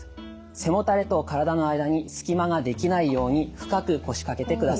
背もたれとからだの間に隙間が出来ないように深く腰かけてください。